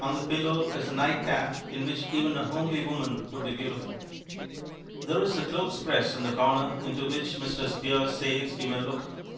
On the pillow is a nightcap, in which even a homely woman would be beautiful. There is a clothespress in the corner, into which Mr. Spear says we may look.